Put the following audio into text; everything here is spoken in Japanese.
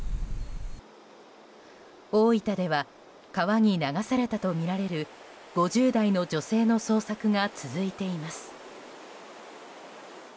大分では川に流されたとみられる５０代の女性の捜索が続いています。